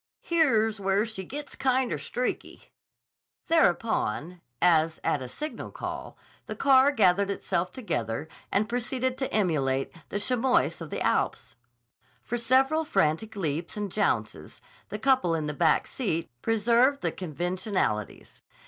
Here's where she gits kinder streaky." Thereupon, as at a signal call, the car gathered itself together and proceeded to emulate the chamois of the Alps. For several frantic leaps and jounces the couple in the back seat preserved the conventionalities.